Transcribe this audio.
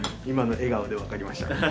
今の笑顔でわかりました。